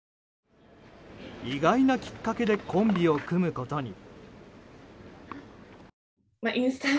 意外なきっかけでコンビを組むことに。